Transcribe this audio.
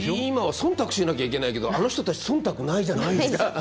今は忖度しなきゃいけないけどあの人たち忖度ないじゃないですか。